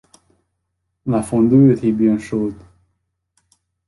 La fondue était bien chaude